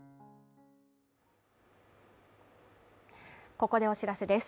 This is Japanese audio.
ここでお知らせです。